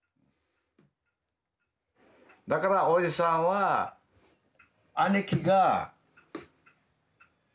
だからおじさんはえっ？